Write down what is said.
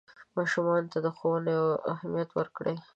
ماشومانو ته د ښوونې اهمیت ورکړئ.